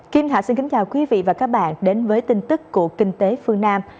kính khả xin kính chào quý vị và các bạn đến với tin tức của kinh tế phương nam